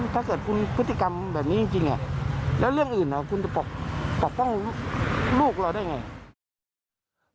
ถ้าเกิดคุณพฤติกรรมแบบนี้จริงแล้วเรื่องอื่นคุณจะปกป้องลูกเราได้ไง